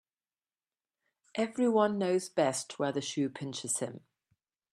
Every one knows best where the shoe pinches him